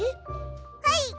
はい！